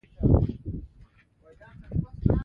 ژوندي د ژوند اسانه کولو لارې لټوي